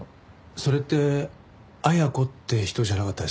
それってアヤコって人じゃなかったですか？